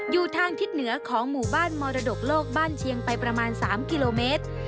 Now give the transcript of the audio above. อยู่ทางทิศเหนือของหมู่บ้านมรดกโลกบ้านเชียงไปประมาณ๓กิโลเมตร